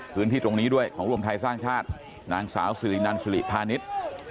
พื้นที่ตรงนี้ด้วยของรวมไทยสร้างชาตินางสาวสิรินันสุริพาณิชย์